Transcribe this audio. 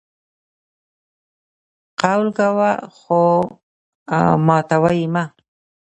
قول کوه خو ماتوه یې مه!